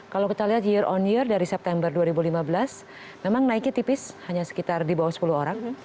kalau kita lihat year on year dari september dua ribu lima belas memang naiknya tipis hanya sekitar di bawah sepuluh orang